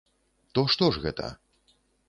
То што ж гэта?